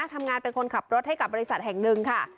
ทำงานเป็นคนขับรถให้กับบริษัทแห่งหนึ่งค่ะ